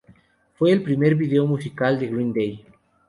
Fue el primer vídeo musical de Green Day.